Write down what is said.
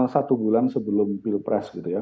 satu bulan sebelum pilpres